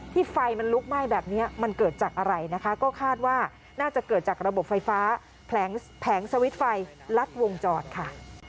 ไฟมันลุกไหม้แบบนี้มันเกิดจากอะไรนะคะก็คาดว่าน่าจะเกิดจากระบบไฟฟ้าแผงสวิตช์ไฟลัดวงจรค่ะ